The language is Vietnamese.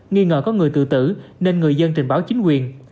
nghi ngờ có người tự tử nên người dân trình báo chính quyền